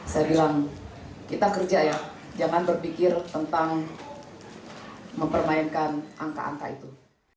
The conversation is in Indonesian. saya bilang kita kerja ya jangan berpikir tentang mempermainkan angka angka itu